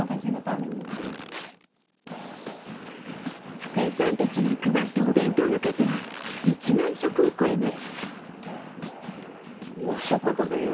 福井さんたちが配ったお弁当の数は１万食を超えます。